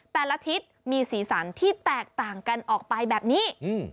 แต่ละทิศมีสีสันที่แตกต่างกันออกไปแบบนี้